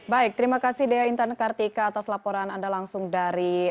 baik terima kasih dea intan kartika atas laporan anda langsung dari